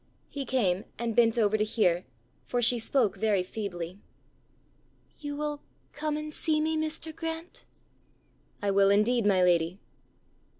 He came, and bent over to hear, for she spoke very feebly. "You will come and see me, Mr. Grant?" "I will, indeed, my lady."